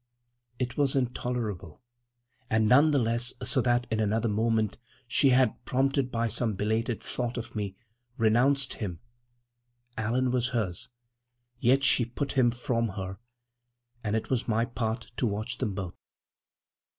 It was intolerable; and none the less so that in another moment she had, prompted by some belated thought of me, renounced him. Allan was hers, yet she put him from her; and it was my part to watch them both.